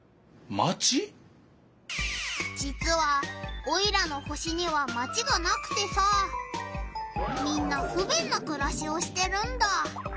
じつはオイラの星にはマチがなくてさみんなふべんなくらしをしてるんだ。